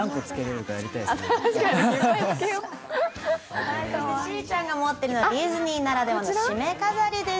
しおりちゃんが持っているのは、ディズニーならではのしめ飾りです。